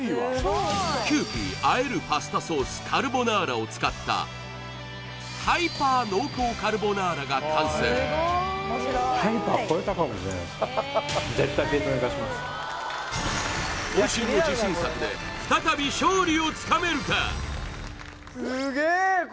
キユーピーあえるパスタソースカルボナーラを使ったが完成渾身の自信作で再び勝利をつかめるか？